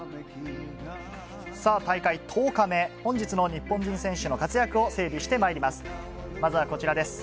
大会１０日目、本日の日本人選手の活躍を整理してまいります。